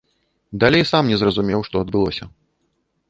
Далей сам не зразумеў, што адбылося.